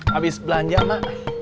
habis belanja ma